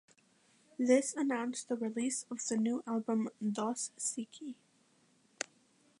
This announced the release of the new album "Dos Siki".